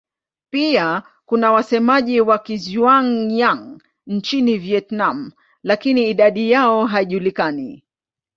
Pia kuna wasemaji wa Kizhuang-Yang nchini Vietnam lakini idadi yao haijulikani.